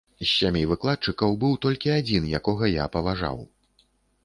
З сямі выкладчыкаў быў толькі адзін, якога я паважаў.